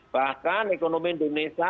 bahkan ekonomi indonesia